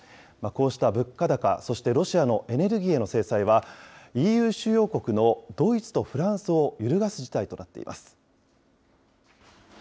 こうした物価高、そしてロシアのエネルギーへの制裁は、ＥＵ主要国のドイツとフランスを揺るがす事態となっています。